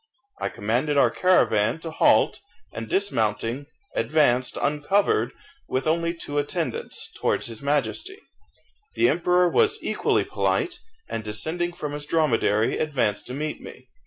I commanded our caravan to halt, and dismounting, advanced uncovered, with only two attendants, towards his Majesty. The emperor was equally polite, and descending from his dromedary, advanced to meet me.